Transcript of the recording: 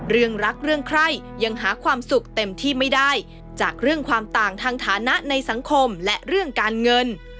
เรื่องรักเรื่องใครยังหาความสุขเต็มที่ไม่ได้จากเรื่องความต่างทางฐานะในสังคมและเรื่องการเงิน